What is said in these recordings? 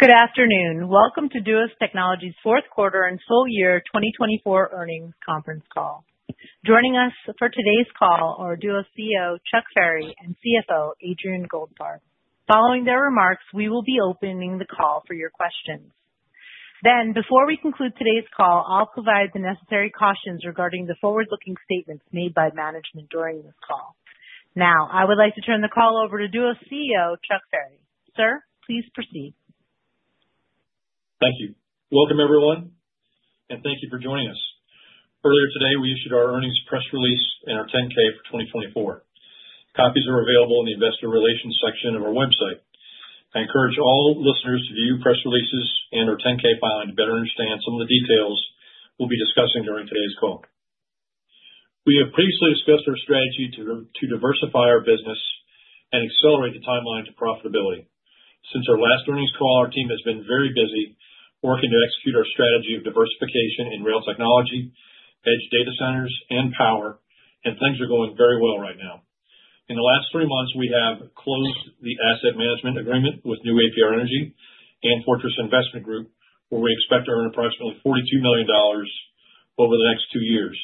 Good afternoon. Welcome to Duos Technologies Group's fourth quarter and full year 2024 earnings conference call. Joining us for today's call are Duos CEO Charles Ferry and CFO Adrian Goldfarb. Following their remarks, we will be opening the call for your questions. Before we conclude today's call, I'll provide the necessary cautions regarding the forward-looking statements made by management during this call. Now, I would like to turn the call over to Duos CEO Charles Ferry. Sir, please proceed. Thank you. Welcome, everyone, and thank you for joining us. Earlier today, we issued our earnings press release and our 10-K for 2024. Copies are available in the investor relations section of our website. I encourage all listeners to view press releases and our 10-K filing to better understand some of the details we'll be discussing during today's call. We have previously discussed our strategy to diversify our business and accelerate the timeline to profitability. Since our last earnings call, our team has been very busy working to execute our strategy of diversification in rail technology, edge data centers, and power, and things are going very well right now. In the last three months, we have closed the asset management agreement with New APR Energy and Fortress Investment Group, where we expect to earn approximately $42 million over the next two years.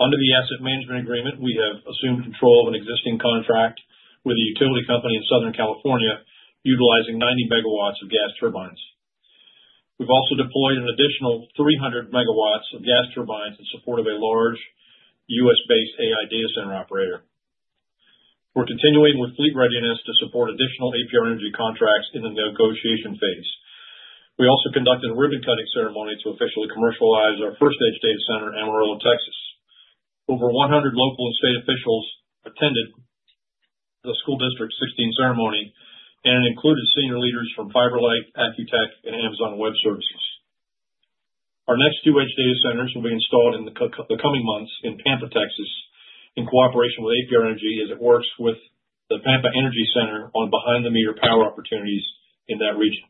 Under the asset management agreement, we have assumed control of an existing contract with a utility company in Southern California, utilizing 90 MW of gas turbines. We've also deployed an additional 300 MW of gas turbines in support of a large U.S.-based AI data center operator. We're continuing with fleet readiness to support additional APR Energy contracts in the negotiation phase. We also conducted a ribbon-cutting ceremony to officially commercialize our first edge data center in Amarillo, Texas. Over 100 local and state officials attended the school district's 16th ceremony, and it included senior leaders from FiberLight, Accu-Tech, and Amazon Web Services. Our next two edge data centers will be installed in the coming months in Pampa, Texas, in cooperation with APR Energy as it works with the Pampa Energy Center on behind-the-meter power opportunities in that region.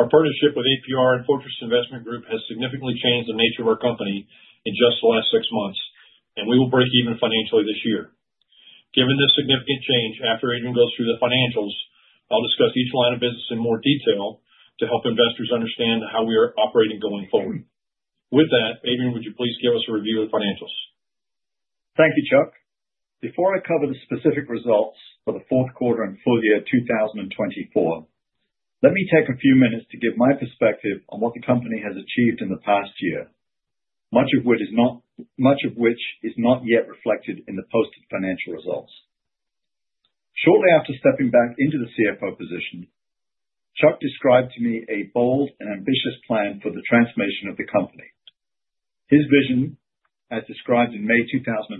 Our partnership with APR and Fortress Investment Group has significantly changed the nature of our company in just the last six months, and we will break even financially this year. Given this significant change, after Adrian goes through the financials, I'll discuss each line of business in more detail to help investors understand how we are operating going forward. With that, Adrian, would you please give us a review of the financials? Thank you, Charles. Before I cover the specific results for the fourth quarter and full year 2024, let me take a few minutes to give my perspective on what the company has achieved in the past year, much of which is not yet reflected in the posted financial results. Shortly after stepping back into the CFO position, Charles described to me a bold and ambitious plan for the transformation of the company. His vision, as described in May 2024,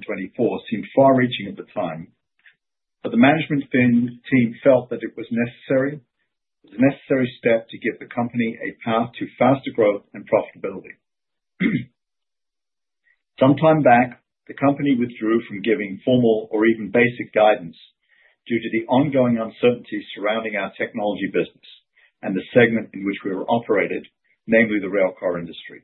seemed far-reaching at the time, but the management team felt that it was a necessary step to give the company a path to faster growth and profitability. Sometime back, the company withdrew from giving formal or even basic guidance due to the ongoing uncertainty surrounding our technology business and the segment in which we were operated, namely the railcar industry.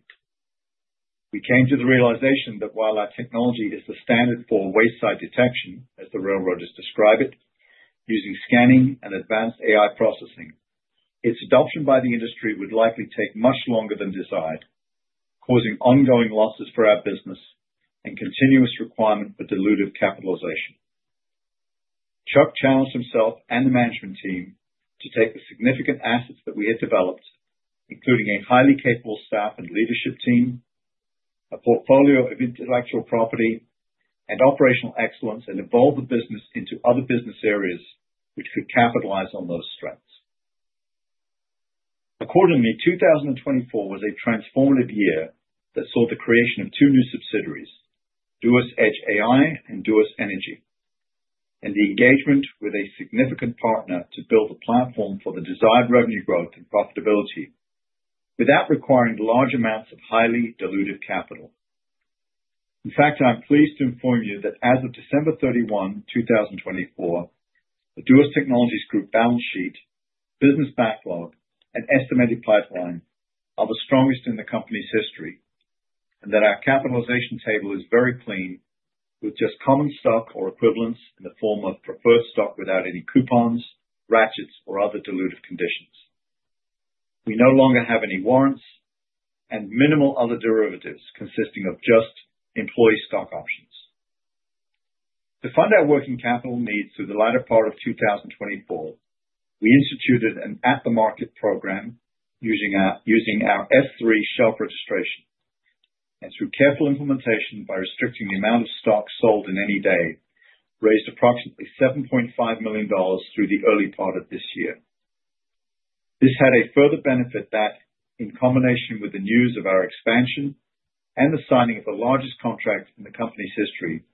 We came to the realization that while our technology is the standard for wayside detection, as the railroaders describe it, using scanning and advanced AI processing, its adoption by the industry would likely take much longer than desired, causing ongoing losses for our business and continuous requirement for dilutive capitalization. Charles challenged himself and the management team to take the significant assets that we had developed, including a highly capable staff and leadership team, a portfolio of intellectual property and operational excellence, and evolve the business into other business areas which could capitalize on those strengths. Accordingly, 2024 was a transformative year that saw the creation of two new subsidiaries, Duos Edge AI and Duos Energy, and the engagement with a significant partner to build a platform for the desired revenue growth and profitability without requiring large amounts of highly dilutive capital. In fact, I'm pleased to inform you that as of December 31, 2024, the Duos Technologies Group balance sheet, business backlog, and estimated pipeline are the strongest in the company's history, and that our capitalization table is very clean, with just common stock or equivalents in the form of preferred stock without any coupons, ratchets, or other dilutive conditions. We no longer have any warrants and minimal other derivatives consisting of just employee stock options. To fund our working capital needs through the latter part of 2024, we instituted an at-the-market program using our S3 shelf registration, and through careful implementation by restricting the amount of stock sold in any day, raised approximately $7.5 million through the early part of this year. This had a further benefit that, in combination with the news of our expansion and the signing of the largest contract in the company's history,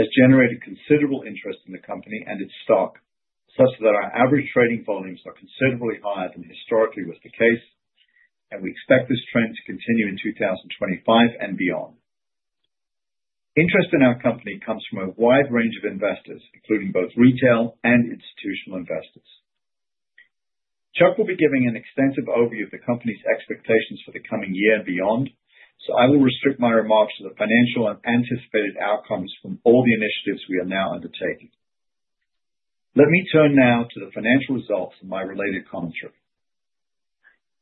has generated considerable interest in the company and its stock, such that our average trading volumes are considerably higher than historically was the case, and we expect this trend to continue in 2025 and beyond. Interest in our company comes from a wide range of investors, including both retail and institutional investors. Charles will be giving an extensive overview of the company's expectations for the coming year and beyond, so I will restrict my remarks to the financial and anticipated outcomes from all the initiatives we are now undertaking. Let me turn now to the financial results and my related commentary.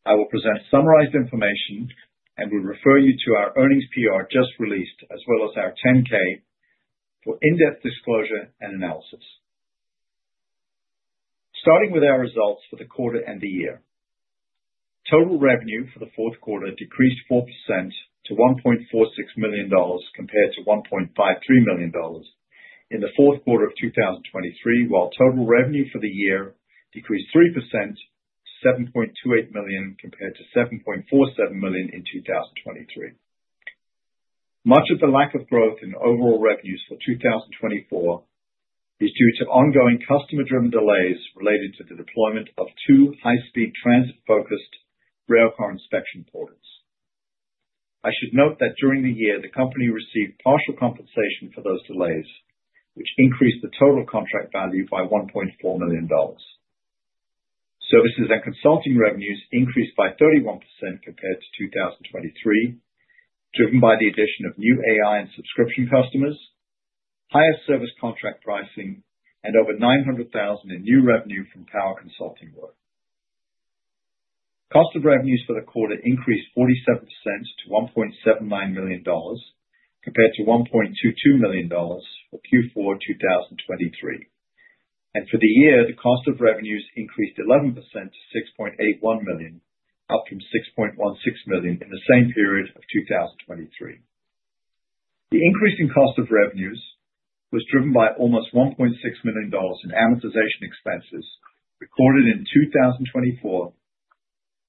I will present summarized information and will refer you to our earnings PR just released, as well as our 10-K for in-depth disclosure and analysis. Starting with our results for the quarter and the year, total revenue for the fourth quarter decreased 4% to $1.46 million compared to $1.53 million in the fourth quarter of 2023, while total revenue for the year decreased 3% to $7.28 million compared to $7.47 million in 2023. Much of the lack of growth in overall revenues for 2024 is due to ongoing customer-driven delays related to the deployment of two high-speed transit-focused Railcar Inspection Portals. I should note that during the year, the company received partial compensation for those delays, which increased the total contract value by $1.4 million. Services and consulting revenues increased by 31% compared to 2023, driven by the addition of new AI and subscription customers, higher service contract pricing, and over $900,000 in new revenue from power consulting work. Cost of revenues for the quarter increased 47% to $1.79 million compared to $1.22 million for Q4 2023. For the year, the cost of revenues increased 11% to $6.81 million, up from $6.16 million in the same period of 2023. The increase in cost of revenues was driven by almost $1.6 million in amortization expenses recorded in 2024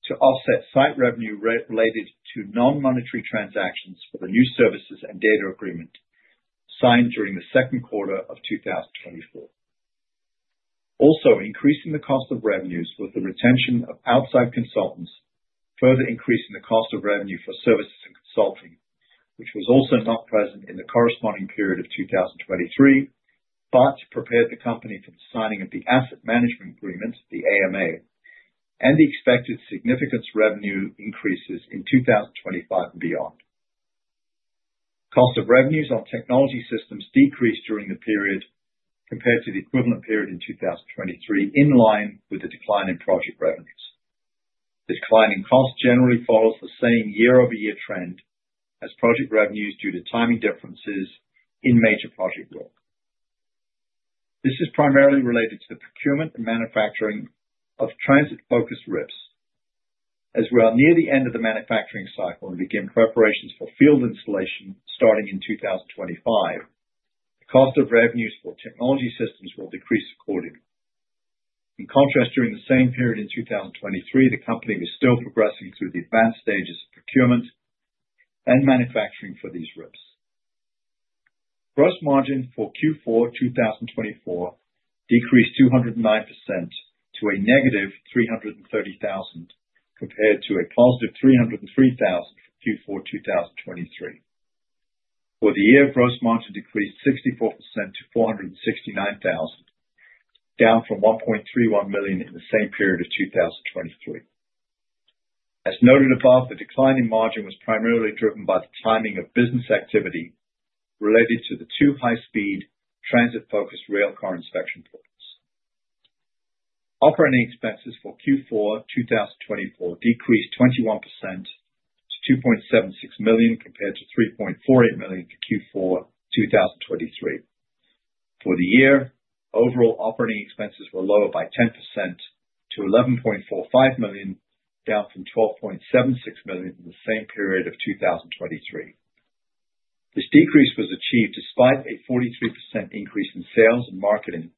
to offset site revenue related to non-monetary transactions for the new services and data agreement signed during the second quarter of 2024. Also, increasing the cost of revenues was the retention of outside consultants, further increasing the cost of revenue for services and consulting, which was also not present in the corresponding period of 2023, but prepared the company for the signing of the Asset Management Agreement, the AMA, and the expected significant revenue increases in 2025 and beyond. Cost of revenues on technology systems decreased during the period compared to the equivalent period in 2023, in line with the decline in project revenues. This climb in cost generally follows the same year-over-year trend as project revenues due to timing differences in major project work. This is primarily related to the procurement and manufacturing of transit-focused RIPs. As we are near the end of the manufacturing cycle and begin preparations for field installation starting in 2025, the cost of revenues for technology systems will decrease accordingly. In contrast, during the same period in 2023, the company was still progressing through the advanced stages of procurement and manufacturing for these RIPs. Gross margin for Q4 2024 decreased 209% to a -$330,000 compared to a +$303,000 for Q4 2023. For the year, gross margin decreased 64% to $469,000, down from $1.31 million in the same period of 2023. As noted above, the decline in margin was primarily driven by the timing of business activity related to the two high-speed transit-focused Railcar Inspection Portals. Operating expenses for Q4 2024 decreased 21% to $2.76 million compared to $3.48 million for Q4 2023. For the year, overall operating expenses were lower by 10% to $11.45 million, down from $12.76 million in the same period of 2023. This decrease was achieved despite a 43% increase in sales and marketing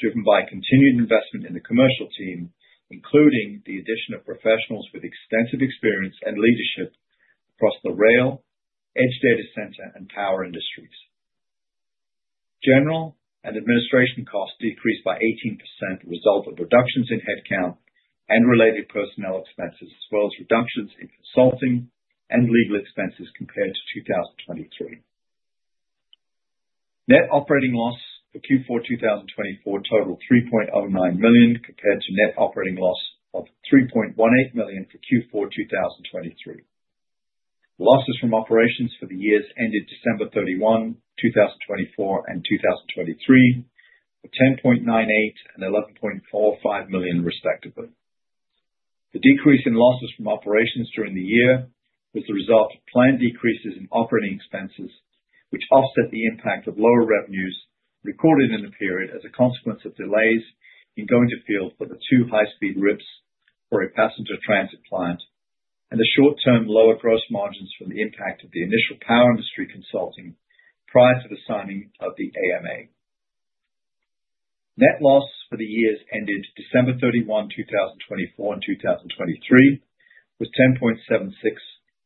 driven by continued investment in the commercial team, including the addition of professionals with extensive experience and leadership across the rail, edge data center, and power industries. General and administration costs decreased by 18% as a result of reductions in headcount and related personnel expenses, as well as reductions in consulting and legal expenses compared to 2023. Net operating loss for Q4 2024 totaled $3.09 million compared to net operating loss of $3.18 million for Q4 2023. Losses from operations for the years ended December 31, 2024 and 2023 were $10.98 million and $11.45 million, respectively. The decrease in losses from operations during the year was the result of planned decreases in operating expenses, which offset the impact of lower revenues recorded in the period as a consequence of delays in going to field for the two high-speed RIPs for a passenger transit client and the short-term lower gross margins from the impact of the initial power industry consulting prior to the signing of the AMA. Net loss for the years ended December 31, 2024 and 2023 was $10.76 million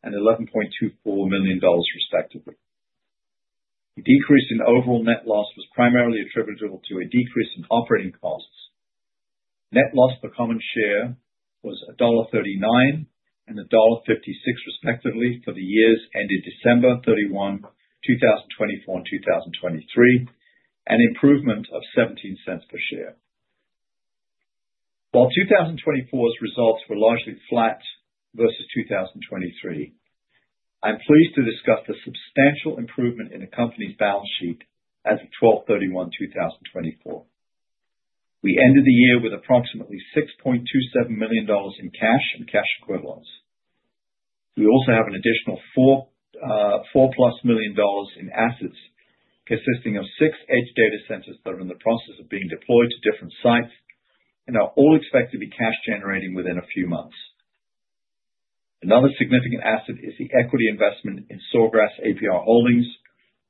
and $11.24 million, respectively. The decrease in overall net loss was primarily attributable to a decrease in operating costs. Net loss per common share was $1.39 and $1.56, respectively, for the years ended December 31, 2024 and 2023, an improvement of $0.17 per share. While 2024's results were largely flat versus 2023, I'm pleased to discuss the substantial improvement in the company's balance sheet as of December 31, 2024. We ended the year with approximately $6.27 million in cash and cash equivalents. We also have an additional +$4 million in assets consisting of six edge data centers that are in the process of being deployed to different sites and are all expected to be cash-generating within a few months. Another significant asset is the equity investment in Sawgrass APR Holdings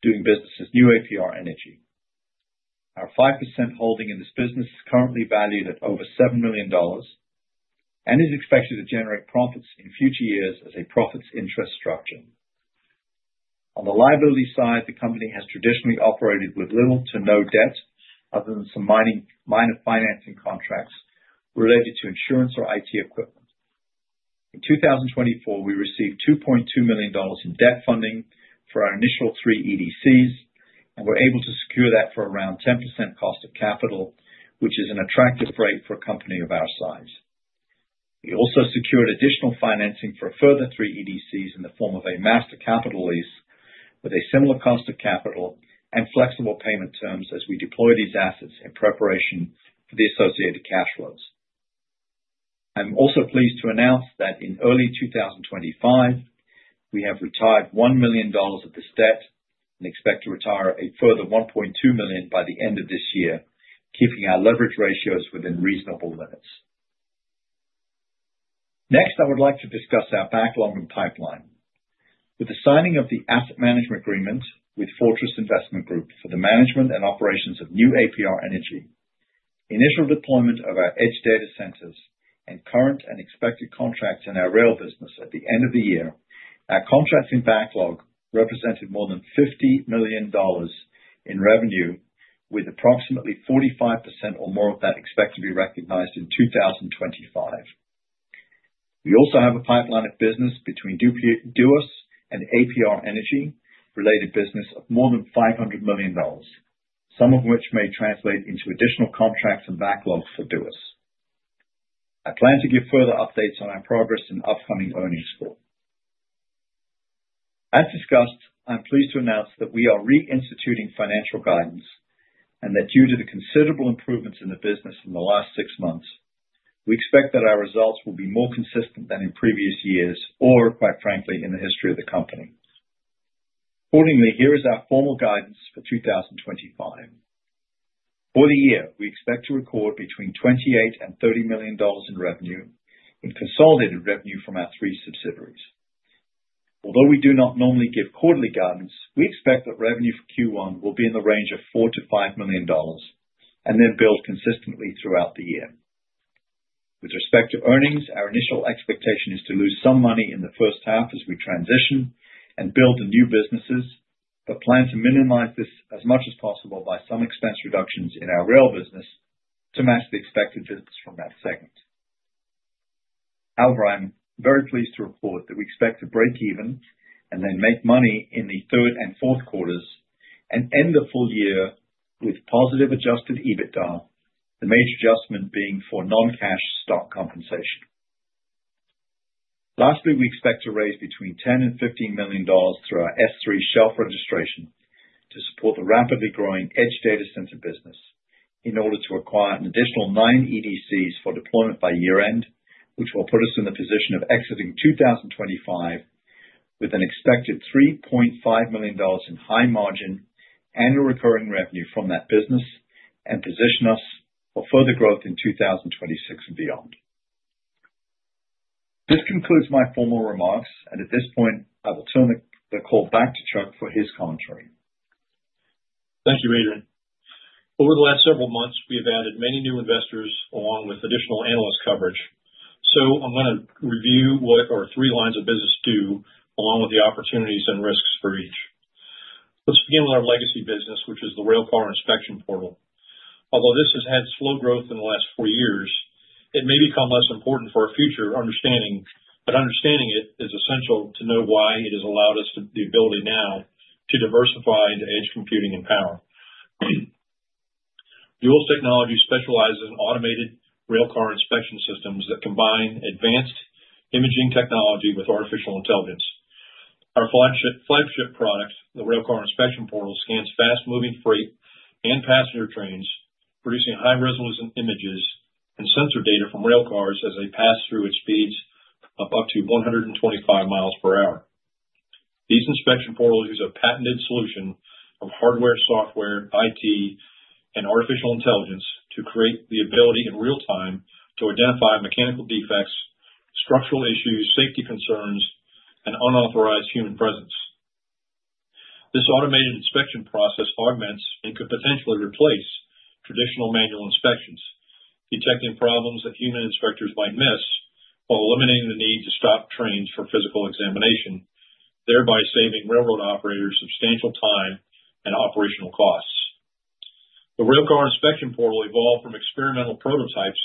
doing business as new APR Energy. Our 5% holding in this business is currently valued at over $7 million and is expected to generate profits in future years as a profits-interest structure. On the liability side, the company has traditionally operated with little to no debt other than some minor financing contracts related to insurance or IT equipment. In 2024, we received $2.2 million in debt funding for our initial three EDCs and were able to secure that for around 10% cost of capital, which is an attractive rate for a company of our size. We also secured additional financing for a further three EDCs in the form of a master capital lease with a similar cost of capital and flexible payment terms as we deploy these assets in preparation for the associated cash flows. I'm also pleased to announce that in early 2025, we have retired $1 million of this debt and expect to retire a further $1.2 million by the end of this year, keeping our leverage ratios within reasonable limits. Next, I would like to discuss our backlog and pipeline. With the signing of the asset management agreement with Fortress Investment Group for the management and operations of new APR Energy, initial deployment of our edge data centers, and current and expected contracts in our rail business at the end of the year, our contracts in backlog represented more than $50 million in revenue, with approximately 45% or more of that expected to be recognized in 2025. We also have a pipeline of business between Duos and APR Energy related business of more than $500 million, some of which may translate into additional contracts and backlog for Duos. I plan to give further updates on our progress and upcoming earnings calls. As discussed, I'm pleased to announce that we are reinstituting financial guidance and that due to the considerable improvements in the business in the last six months, we expect that our results will be more consistent than in previous years or, quite frankly, in the history of the company. Accordingly, here is our formal guidance for 2025. For the year, we expect to record between $28 million-$30 million in consolidated revenue from our three subsidiaries. Although we do not normally give quarterly guidance, we expect that revenue for Q1 will be in the range of $4 million-$5 million and then build consistently throughout the year. With respect to earnings, our initial expectation is to lose some money in the first half as we transition and build the new businesses, but plan to minimize this as much as possible by some expense reductions in our rail business to match the expected difference from that segment. However, I'm very pleased to report that we expect to break even and then make money in the third and fourth quarters and end the full year with positive adjusted EBITDA, the major adjustment being for non-cash stock compensation. Lastly, we expect to raise between $10 million-$15 million through our S3 shelf registration to support the rapidly growing edge data center business in order to acquire an additional nine EDCs for deployment by year-end, which will put us in the position of exiting 2025 with an expected $3.5 million in high margin and recurring revenue from that business and position us for further growth in 2026 and beyond. This concludes my formal remarks, and at this point, I will turn the call back to Charles for his commentary. Thank you, Adrian. Over the last several months, we have added many new investors along with additional analyst coverage. I'm going to review what our three lines of business do along with the opportunities and risks for each. Let's begin with our legacy business, which is the Railcar Inspection Portal. Although this has had slow growth in the last four years, it may become less important for our future understanding, but understanding it is essential to know why it has allowed us the ability now to diversify into edge computing and power. Duos Technologies specializes in automated railcar inspection systems that combine advanced imaging technology with artificial intelligence. Our flagship product, the Railcar Inspection Portal, scans fast-moving freight and passenger trains, producing high-resolution images and sensor data from railcars as they pass through at speeds of up to 125 mph. These inspection portals use a patented solution of hardware, software, IT, and artificial intelligence to create the ability in real time to identify mechanical defects, structural issues, safety concerns, and unauthorized human presence. This automated inspection process augments and could potentially replace traditional manual inspections, detecting problems that human inspectors might miss while eliminating the need to stop trains for physical examination, thereby saving railroad operators substantial time and operational costs. The Railcar Inspection Portal evolved from experimental prototypes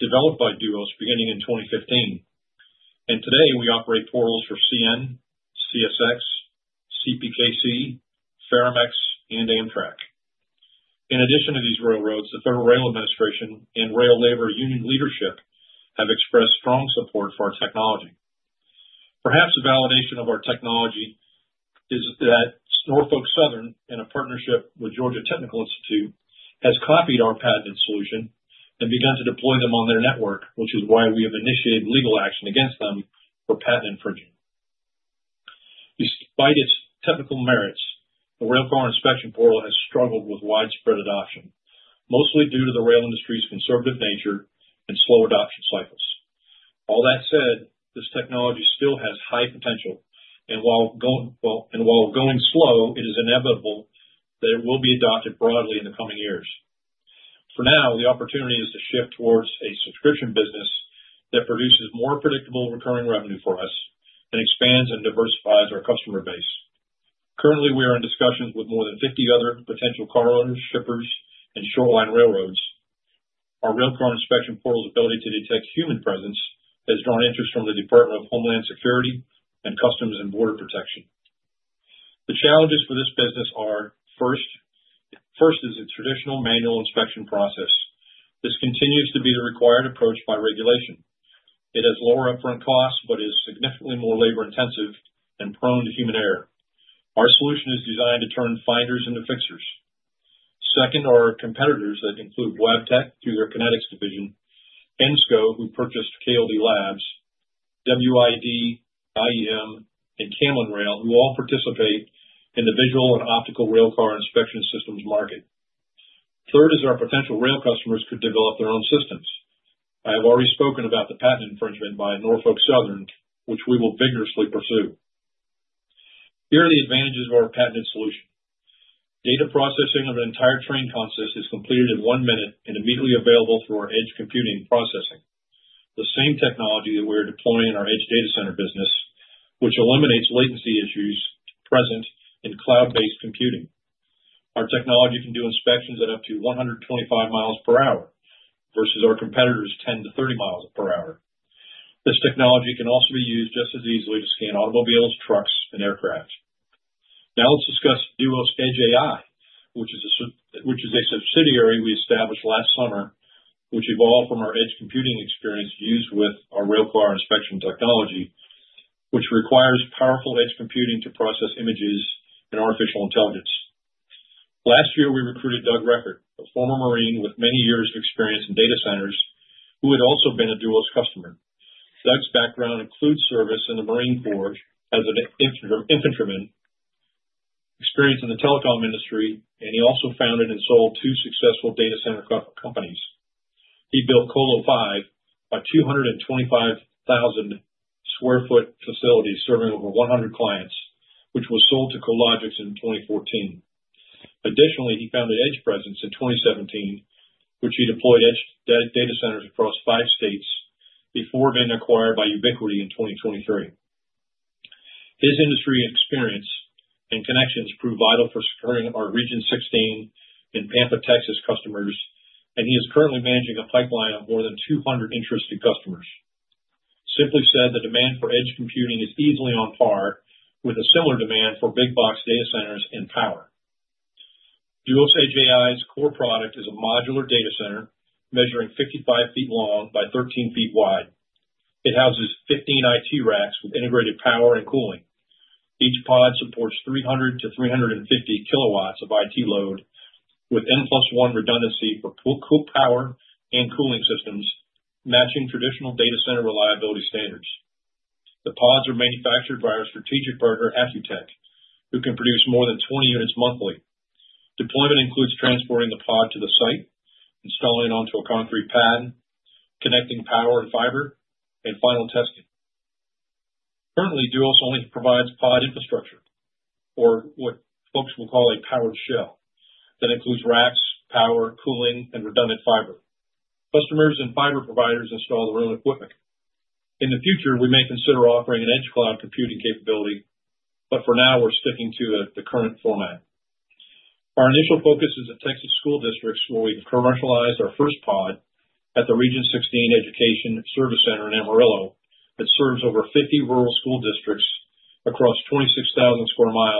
developed by Duos beginning in 2015. Today, we operate portals for CN, CSX, CPKC, Ferromex, and Amtrak. In addition to these railroads, the Federal Rail Administration and Rail Labor Union leadership have expressed strong support for our technology. Perhaps a validation of our technology is that Norfolk Southern, in a partnership with Georgia Technical Institute, has copied our patented solution and begun to deploy them on their network, which is why we have initiated legal action against them for patent infringement. Despite its technical merits, the Railcar Inspection Portal has struggled with widespread adoption, mostly due to the rail industry's conservative nature and slow adoption cycles. All that said, this technology still has high potential, and while going slow, it is inevitable that it will be adopted broadly in the coming years. For now, the opportunity is to shift towards a subscription business that produces more predictable recurring revenue for us and expands and diversifies our customer base. Currently, we are in discussions with more than 50 other potential car owners, shippers, and short line railroads. Our Railcar Inspection Portal's ability to detect human presence has drawn interest from the Department of Homeland Security and Customs and Border Protection. The challenges for this business are first, first is the traditional manual inspection process. This continues to be the required approach by regulation. It has lower upfront costs but is significantly more labor-intensive and prone to human error. Our solution is designed to turn finders into fixers. Second are our competitors that include Wabtec through their KinetiX division, ENSCO, who purchased KLD Labs, WID, IEM, and Camlin Rail, who all participate in the visual and optical railcar inspection systems market. Third is our potential rail customers could develop their own systems. I have already spoken about the patent infringement by Norfolk Southern, which we will vigorously pursue. Here are the advantages of our patented solution. Data processing of an entire train consist is completed in one minute and immediately available through our edge computing processing. The same technology that we are deploying in our edge data center business, which eliminates latency issues present in cloud-based computing. Our technology can do inspections at up to 125 mph versus our competitors' 10 mph-30 mph. This technology can also be used just as easily to scan automobiles, trucks, and aircraft. Now let's discuss Duos Edge AI, which is a subsidiary we established last summer, which evolved from our edge computing experience used with our railcar inspection technology, which requires powerful edge computing to process images and artificial intelligence. Last year, we recruited Doug Recker, a former Marine with many years of experience in data centers, who had also been a Duos customer. Doug's background includes service in the Marine Corps as an infantryman, experience in the telecom industry, and he also founded and sold two successful data center companies. He built Colo5, a 225,000 sq ft facility serving over 100 clients, which was sold to Cologix in 2014. Additionally, he founded Edge Presence in 2017, which he deployed edge data centers across five states before being acquired by Ubiquity in 2023. His industry experience and connections prove vital for securing our Region 16 in Pampa, Texas, customers, and he is currently managing a pipeline of more than 200 interested customers. Simply said, the demand for edge computing is easily on par with a similar demand for big box data centers and power. Duos Edge AI's core product is a modular data center measuring 55 ft long by 13 ft wide. It houses 15 IT racks with integrated power and cooling. Each pod supports 300 kW-350 kW of IT load with N+1 redundancy for cool power and cooling systems, matching traditional data center reliability standards. The pods are manufactured by our strategic partner, Accu-Tech, who can produce more than 20 units monthly. Deployment includes transporting the pod to the site, installing it onto a concrete pad, connecting power and fiber, and final testing. Currently, Duos only provides pod infrastructure, or what folks will call a powered shell, that includes racks, power, cooling, and redundant fiber. Customers and fiber providers install their own equipment. In the future, we may consider offering an edge cloud computing capability, but for now, we're sticking to the current format. Our initial focus is in Texas school districts where we've commercialized our first pod at the Region 16 Education Service Center in Amarillo that serves over 50 rural school districts across 26,000 sq mi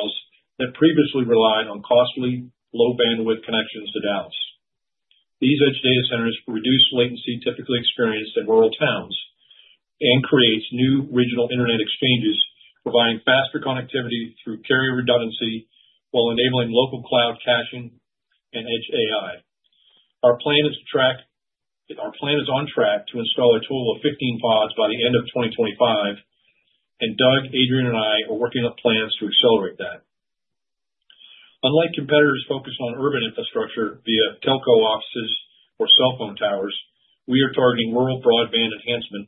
that previously relied on costly, low-bandwidth connections to Dallas. These edge data centers reduce latency typically experienced in rural towns and create new regional internet exchanges, providing faster connectivity through carrier redundancy while enabling local cloud caching and edge AI. Our plan is on track to install a total of 15 pods by the end of 2025, and Doug, Adrian, and I are working on plans to accelerate that. Unlike competitors focused on urban infrastructure via telco offices or cell phone towers, we are targeting rural broadband enhancement,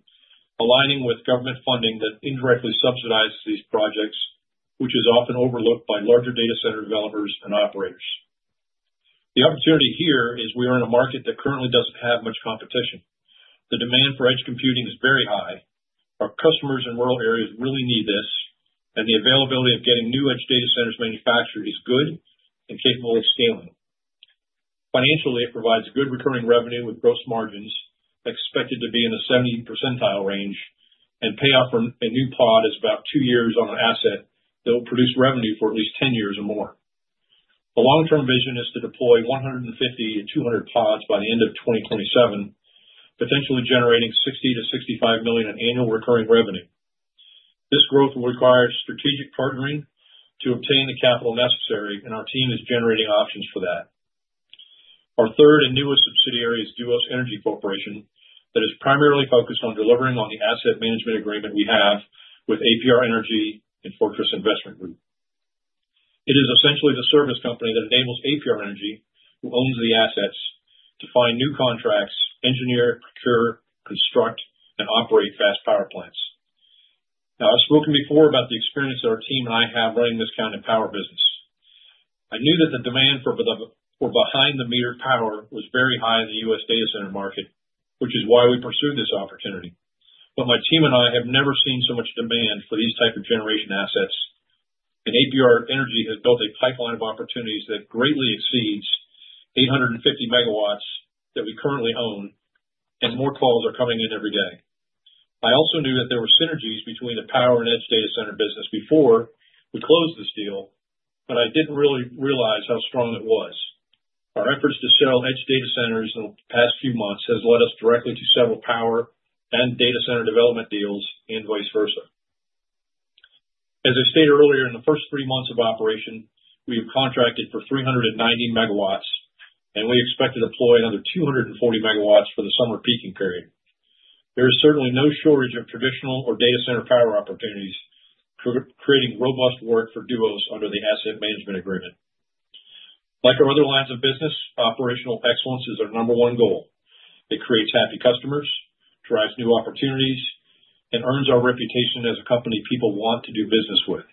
aligning with government funding that indirectly subsidizes these projects, which is often overlooked by larger data center developers and operators. The opportunity here is we are in a market that currently does not have much competition. The demand for edge computing is very high. Our customers in rural areas really need this, and the availability of getting new edge data centers manufactured is good and capable of scaling. Financially, it provides good recurring revenue with gross margins expected to be in the 70% range, and payoff from a new pod is about two years on an asset that will produce revenue for at least 10 years or more. The long-term vision is to deploy 150 pods-200 pods by the end of 2027, potentially generating $60 million-$65 million in annual recurring revenue. This growth will require strategic partnering to obtain the capital necessary, and our team is generating options for that. Our third and newest subsidiary is Duos Energy Corporation that is primarily focused on delivering on the asset management agreement we have with APR Energy and Fortress Investment Group. It is essentially the service company that enables APR Energy, who owns the assets, to find new contracts, engineer, procure, construct, and operate fast power plants. Now, I've spoken before about the experience that our team and I have running this kind of power business. I knew that the demand for behind-the-meter power was very high in the US data center market, which is why we pursued this opportunity. My team and I have never seen so much demand for these types of generation assets, and APR Energy has built a pipeline of opportunities that greatly exceeds 850 MW that we currently own, and more calls are coming in every day. I also knew that there were synergies between the power and edge data center business before we closed this deal, but I didn't really realize how strong it was. Our efforts to sell edge data centers in the past few months have led us directly to several power and data center development deals and vice versa. As I stated earlier, in the first three months of operation, we have contracted for 390 MW, and we expect to deploy another 240 MW for the summer peaking period. There is certainly no shortage of traditional or data center power opportunities, creating robust work for Duos under the asset management agreement. Like our other lines of business, operational excellence is our number one goal. It creates happy customers, drives new opportunities, and earns our reputation as a company people want to do business with.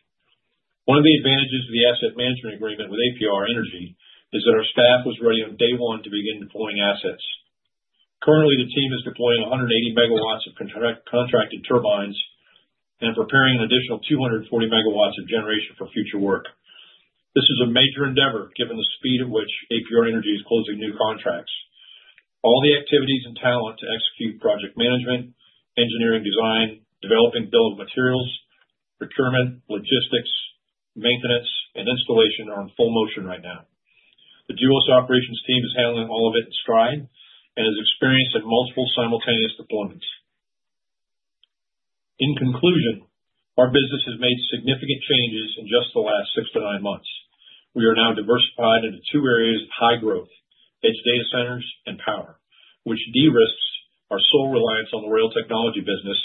One of the advantages of the asset management agreement with APR Energy is that our staff was ready on day one to begin deploying assets. Currently, the team is deploying 180 MW of contracted turbines and preparing an additional 240 MW of generation for future work. This is a major endeavor given the speed at which APR Energy is closing new contracts. All the activities and talent to execute project management, engineering design, developing bill of materials, procurement, logistics, maintenance, and installation are in full motion right now. The Duos operations team is handling all of it in stride and has experience in multiple simultaneous deployments. In conclusion, our business has made significant changes in just the last six to nine months. We are now diversified into two areas of high growth: edge data centers and power, which de-risked our sole reliance on the rail technology business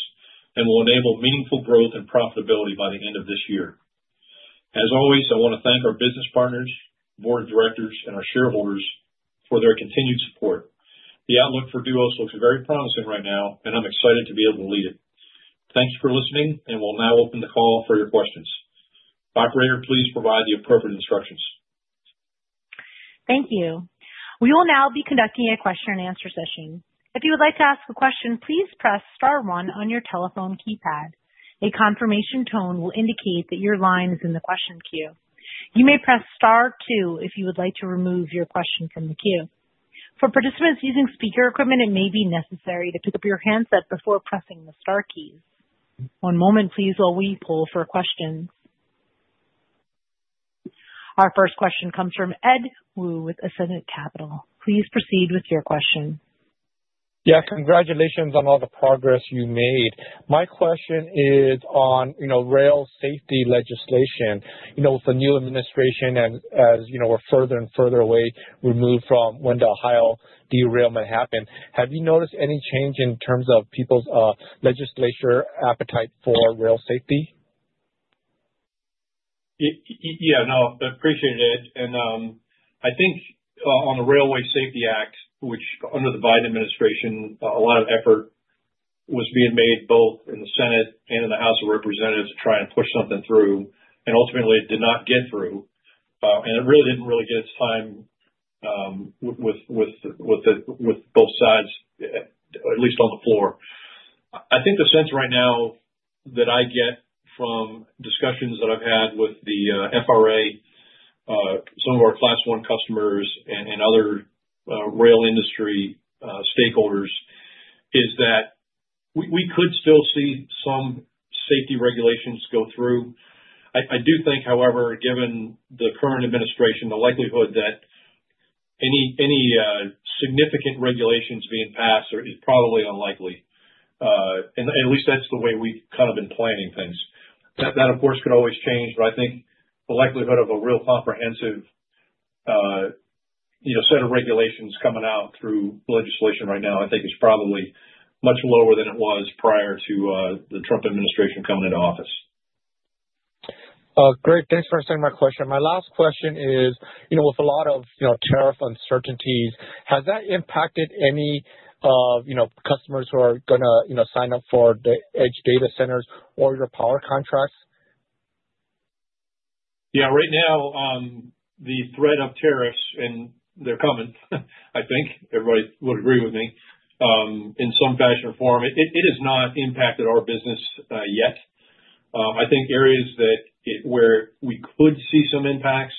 and will enable meaningful growth and profitability by the end of this year. As always, I want to thank our business partners, board of directors, and our shareholders for their continued support. The outlook for Duos looks very promising right now, and I'm excited to be able to lead it. Thanks for listening, and we'll now open the call for your questions. Operator, please provide the appropriate instructions. Thank you. We will now be conducting a question-and-answer session. If you would like to ask a question, please press star one on your telephone keypad. A confirmation tone will indicate that your line is in the question queue. You may press star two if you would like to remove your question from the queue. For participants using speaker equipment, it may be necessary to pick up your handset before pressing the star keys. One moment, please, while we pull for questions. Our first question comes from Edward Woo with Ascendiant Capital. Please proceed with your question. Yeah, congratulations on all the progress you made. My question is on rail safety legislation. With the new administration and as we're further and further away, we're moved from when the Ohio derailment happened, have you noticed any change in terms of people's legislature appetite for rail safety? Yeah, no, I appreciate it. I think on the Railway Safety Act, which under the Biden administration, a lot of effort was being made both in the Senate and in the House of Representatives to try and push something through, and ultimately it did not get through. It really didn't really get its time with both sides, at least on the floor. I think the sense right now that I get from discussions that I've had with the FRA, some of our Class I customers, and other rail industry stakeholders is that we could still see some safety regulations go through. I do think, however, given the current administration, the likelihood that any significant regulations being passed is probably unlikely. At least that's the way we've kind of been planning things. That, of course, could always change, but I think the likelihood of a real comprehensive set of regulations coming out through legislation right now, I think, is probably much lower than it was prior to the Trump administration coming into office. Great. Thanks for answering my question. My last question is, with a lot of tariff uncertainties, has that impacted any customers who are going to sign up for the edge data centers or your power contracts? Yeah, right now, the threat of tariffs, and they're coming, I think everybody would agree with me in some fashion or form. It has not impacted our business yet. I think areas where we could see some impacts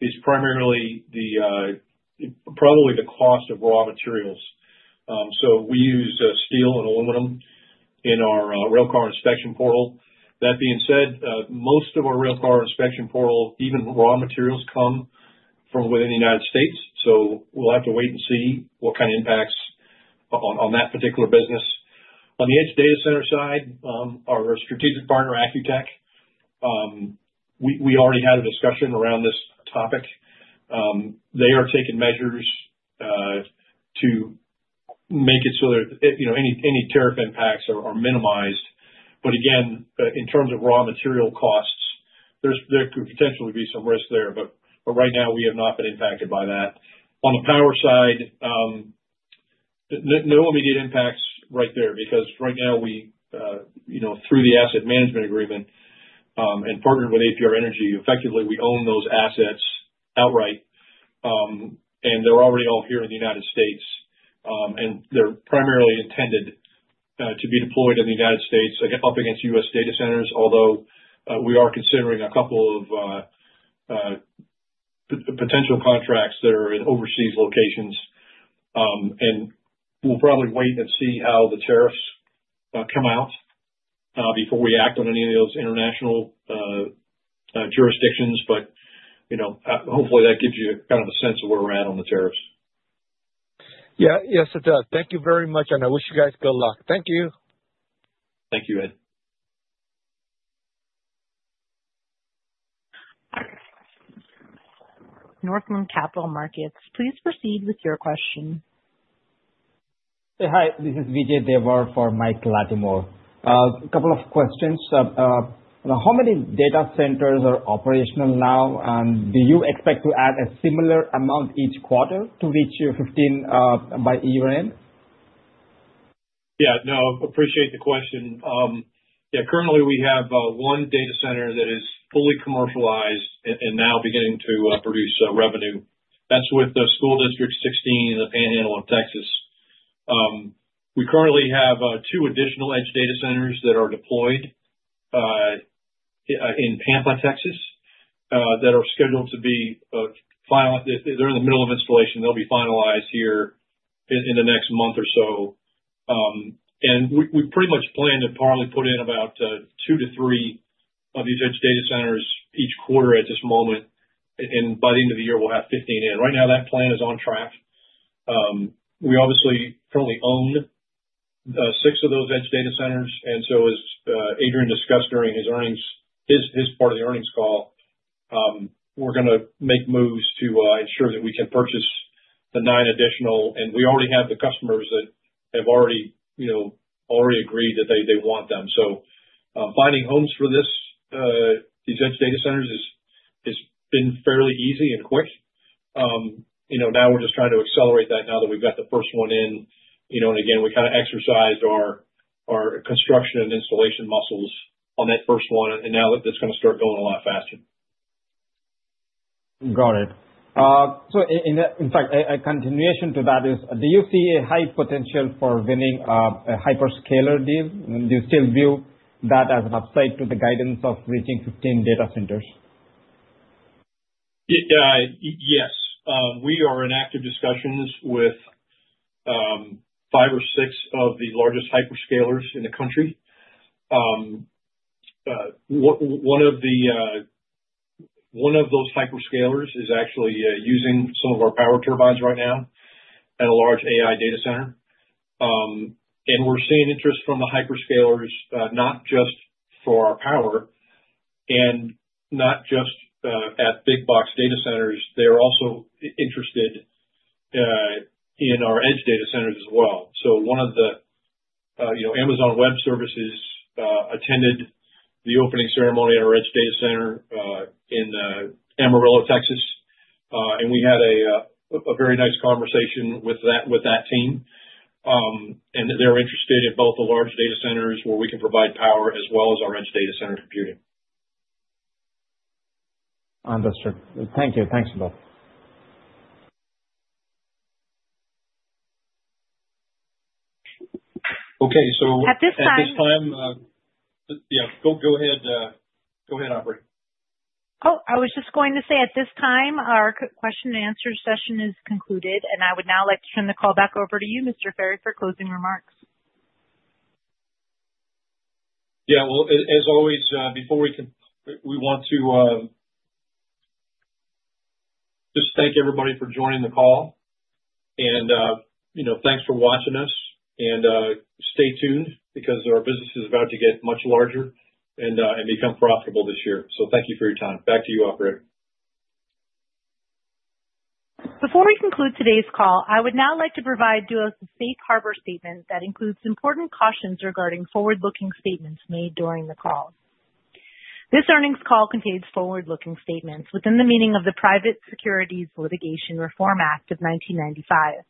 is primarily probably the cost of raw materials. We use steel and aluminum in our Railcar Inspection Portal. That being said, most of our Railcar Inspection Portal, even raw materials, come from within the United States. We'll have to wait and see what kind of impacts on that particular business. On the edge data center side, our strategic partner, Accu-Tech, we already had a discussion around this topic. They are taking measures to make it so that any tariff impacts are minimized. Again, in terms of raw material costs, there could potentially be some risk there, but right now, we have not been impacted by that. On the power side, no immediate impacts right there because right now, through the asset management agreement and partnered with APR Energy, effectively, we own those assets outright, and they're already all here in the United States. They're primarily intended to be deployed in the United States up against US data centers, although we are considering a couple of potential contracts that are in overseas locations. We'll probably wait and see how the tariffs come out before we act on any of those international jurisdictions. Hopefully, that gives you kind of a sense of where we're at on the tariffs. Yeah, yes, it does. Thank you very much, and I wish you guys good luck. Thank you. Thank you, Edward. Northland Capital Markets, please proceed with your question. Hey, hi. This is Vijay Devar for Mike Latimore. A couple of questions. How many data centers are operational now, and do you expect to add a similar amount each quarter to reach 15 by year-end? Yeah, no, appreciate the question. Yeah, currently, we have one data center that is fully commercialized and now beginning to produce revenue. That's with the School District 16 in the Panhandle of Texas. We currently have two additional edge data centers that are deployed in Pampa, Texas, that are scheduled to be—they're in the middle of installation. They'll be finalized here in the next month or so. We pretty much plan to probably put in about two to three of these edge data centers each quarter at this moment, and by the end of the year, we'll have 15 in. Right now, that plan is on track. We obviously currently own six of those edge data centers, and as Adrian discussed during his part of the earnings call, we're going to make moves to ensure that we can purchase the nine additional, and we already have the customers that have already agreed that they want them. Finding homes for these edge data centers has been fairly easy and quick. Now, we're just trying to accelerate that now that we've got the first one in. Again, we kind of exercised our construction and installation muscles on that first one, and now that's going to start going a lot faster. Got it. In fact, a continuation to that is, do you see a high potential for winning a hyperscaler deal? Do you still view that as an upside to the guidance of reaching 15 data centers? Yes. We are in active discussions with five or six of the largest hyperscalers in the country. One of those hyperscalers is actually using some of our power turbines right now at a large AI data center. We are seeing interest from the hyperscalers, not just for our power and not just at big box data centers. They are also interested in our edge data centers as well. One of the Amazon Web Services attended the opening ceremony at our edge data center in Amarillo, Texas, and we had a very nice conversation with that team. They are interested in both the large data centers where we can provide power as well as our edge data center computing. Understood. Thank you. Thanks a lot. Okay, at this time, go ahead, Aubrey. Oh, I was just going to say at this time, our question-and-answer session is concluded, and I would now like to turn the call back over to you, Mr. Ferry, for closing remarks. Yeah, as always, before we want to just thank everybody for joining the call, and thanks for watching us, and stay tuned because our business is about to get much larger and become profitable this year. Thank you for your time. Back to you, Aubrey. Before we conclude today's call, I would now like to provide Duos a safe harbor statement that includes important cautions regarding forward-looking statements made during the call. This earnings call contains forward-looking statements within the meaning of the Private Securities Litigation Reform Act of 1995.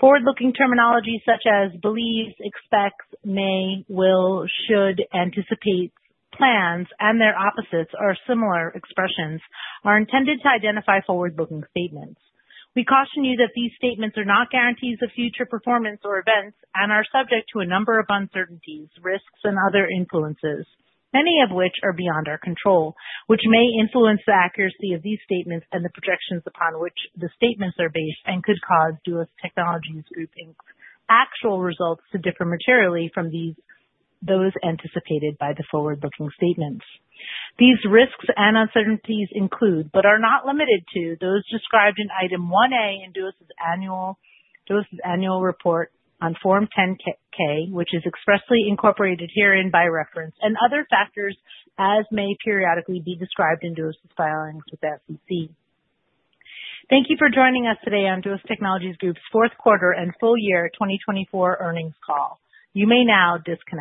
Forward-looking terminology such as believes, expects, may, will, should, anticipates, plans, and their opposites or similar expressions are intended to identify forward-looking statements. We caution you that these statements are not guarantees of future performance or events and are subject to a number of uncertainties, risks, and other influences, many of which are beyond our control, which may influence the accuracy of these statements and the projections upon which the statements are based and could cause Duos Technologies Group's actual results to differ materially from those anticipated by the forward-looking statements. These risks and uncertainties include, but are not limited to, those described in item 1A in Duos's annual report on Form 10-K, which is expressly incorporated herein by reference, and other factors as may periodically be described in Duos's filings with the SEC. Thank you for joining us today on Duos Technologies Group's fourth quarter and full year 2024 earnings call. You may now disconnect.